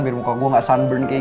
biar muka gue gak sanar